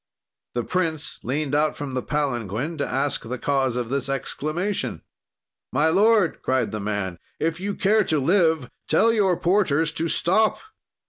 "The prince leaned out from the palanquin to ask the cause of this exclamation: "'My lord,' cried the man, 'if you care to live, tell your porters to stop!'